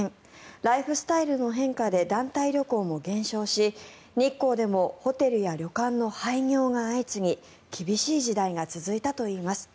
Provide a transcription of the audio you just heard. ライフスタイルの変化で団体旅行も減少し日光でもホテルや旅館の廃業が相次ぎ厳しい時代が続いたといいます。